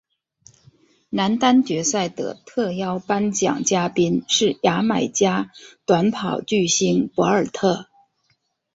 男单决赛的特邀颁奖嘉宾是牙买加短跑巨星博尔特。